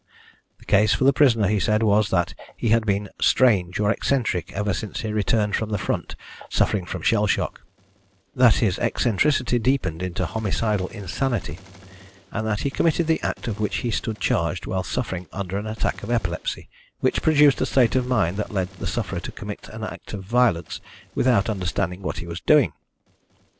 The case for the prisoner, he said, was that he had been strange or eccentric ever since he returned from the front suffering from shell shock, that his eccentricity deepened into homicidal insanity, and that he committed the act of which he stood charged while suffering under an attack of epilepsy, which produced a state of mind that led the sufferer to commit an act of violence without understanding what he was doing.